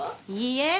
いいえ。